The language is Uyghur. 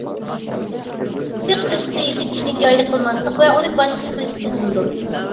قىسقىسى، قىلىشقا تېگىشلىك ئىشنى جايىدا قىلماسلىق ۋە ئۇنى باشقىچە قىلىش زۇلۇمدۇر.